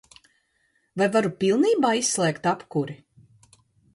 Vai varu pilnībā izslēgt apkuri?